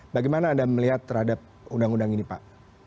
bagaimana anda melihat terhadap undang undang ini pak